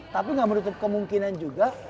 tapi nggak menutup kemungkinan juga